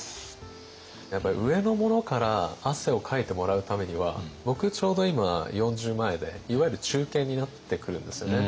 やっぱり上の者から汗をかいてもらうためには僕ちょうど今４０前でいわゆる中堅になってくるんですよね。